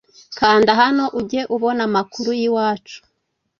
kanda hano ujye ubona amakuru y’iwacu